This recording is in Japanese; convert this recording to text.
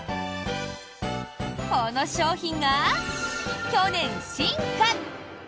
この商品が去年、進化！